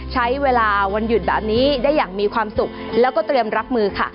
ใช้เวลาวันหยุดแบบนี้ได้อย่างมีความสุขแล้วก็เตรียมรับมือค่ะ